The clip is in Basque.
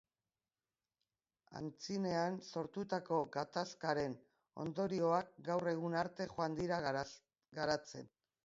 Antzinean sortutako gatazkaren ondorioak gaur egun arte joan dira garatzen.